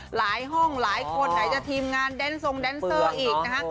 ห้องหลายคนไหนจะทีมงานแดนทรงแดนเซอร์อีกนะฮะ